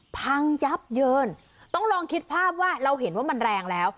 พังยับเยินต้องลองคิดภาพว่าเราเห็นว่ามันแรงแล้ว